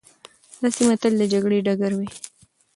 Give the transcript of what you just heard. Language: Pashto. دا سیمي تل د جګړې ډګر وې.